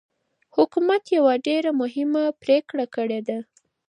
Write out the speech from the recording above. حکومت يوه ډېره مهمه پرېکړه کړې ده.